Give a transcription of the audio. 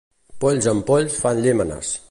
Polls amb polls fan llémenes.